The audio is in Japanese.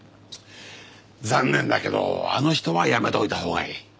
残念だけどあの人はやめといたほうがいい。